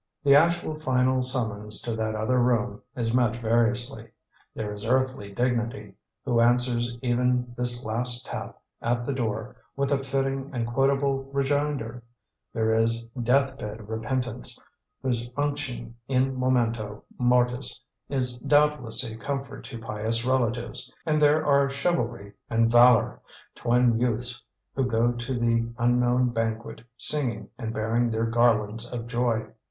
The actual final summons to that Other Room is met variously. There is Earthly Dignity, who answers even this last tap at the door with a fitting and quotable rejoinder; there is Deathbed Repentance, whose unction in momento mortis is doubtless a comfort to pious relatives; and there are Chivalry and Valor, twin youths who go to the unknown banquet singing and bearing their garlands of joy.